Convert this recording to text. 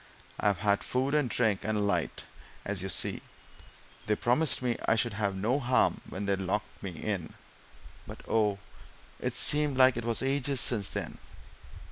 I've had food and drink and a light, as you see they promised me I should have no harm when they locked me in. But oh, it's seemed like it was ages since then!"